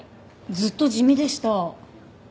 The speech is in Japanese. ずっと地味でした。